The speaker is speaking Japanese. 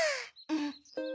うん。